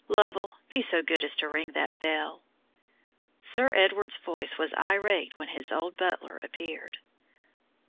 Lovell, be so good as to ring that bell." Sir Edward's voice was irate when his old butler appeared.